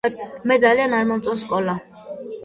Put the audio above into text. მე ძალიან მომწონს სკოლა